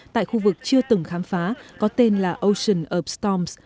tại khu vực chưa từng khám phá có tên là ocean of storms